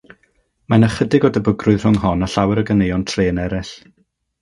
Mae yna ychydig o debygrwydd rhwng hon a llawer o ganeuon trên eraill.